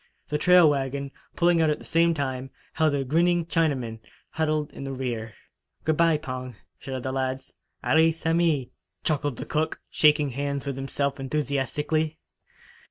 The trail wagon, pulling out at the same time, held a grinning Chinaman, huddled in the rear. "Good bye, Pong!" shouted the lads. "Allee samee," chuckled the cook, shaking hands with himself enthusiastically.